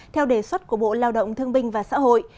theo đề xuất của bộ lao động thương binh và xã hội